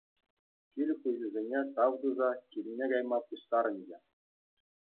Кил хуҫисене тав туса килне кайма пуҫтарӑнчӗ.